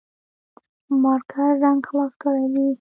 مارکر رنګ خلاص کړي دي